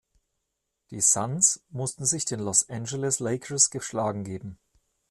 Die Suns mussten sich den Los Angeles Lakers geschlagen geben.